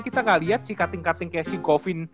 kita gak liat sih cutting cutting kayak si govin